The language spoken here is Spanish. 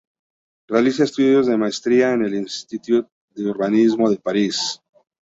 Realiza estudios de maestría en el Instituto de Urbanismo de París.